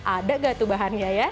ada gak tuh bahannya ya